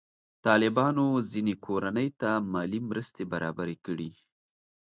طالبانو ځینې کورنۍ ته مالي مرستې برابرې کړي.